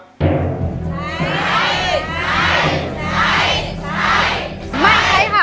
ใช้ใช้ใช้ใช้ใช้